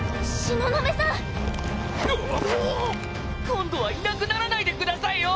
今度はいなくならないでくださいよ！